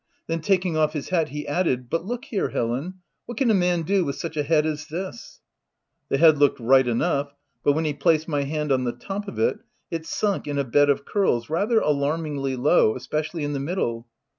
Then taking off his hat, he added — "But look here, Helen— what can a man do with such a head as this ?" The head looked right enough, but when he placed my hand on the top of it, it sunk in a bed of curls, rather alarmingly low, especially in the middle.